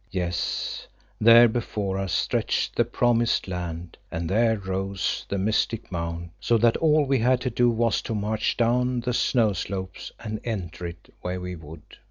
Yes, there before us stretched the Promised Land, and there rose the mystic Mount, so that all we had to do was to march down the snow slopes and enter it where we would.